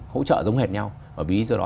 hỗ trợ giống hệt nhau bởi vì do đó